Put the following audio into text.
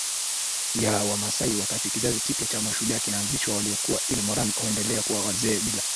ya Wamaasai Wakati kizazi kipya cha mashujaa kinaanzishwa waliokuwa ilmoran huendelea kuwa wazee bila